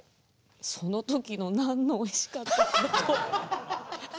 その時のナンのおいしかったこと。